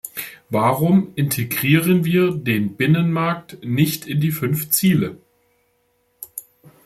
Warum integrieren wir den Binnenmarkt nicht in die fünf Ziele?